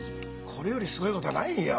これよりすごいことはないよ。